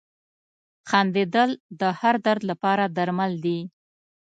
• خندېدل د هر درد لپاره درمل دي.